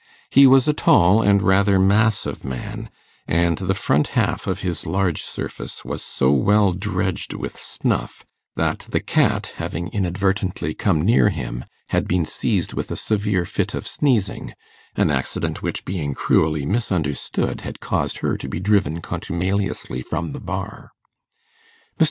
He was a tall and rather massive man, and the front half of his large surface was so well dredged with snuff, that the cat, having inadvertently come near him, had been seized with a severe fit of sneezing an accident which, being cruelly misunderstood, had caused her to be driven contumeliously from the bar. Mr.